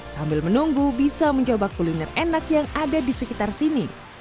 sambil menunggu bisa mencoba kuliner enak yang ada di sekitar sini